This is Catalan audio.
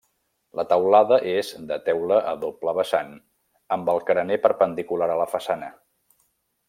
La teulada és de teula a doble vessant amb el carener perpendicular a la façana.